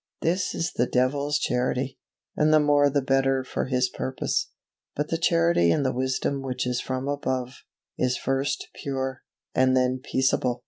This is the devil's Charity; and the more the better for his purpose. But the Charity and the wisdom which is from above, is first pure, and then peaceable!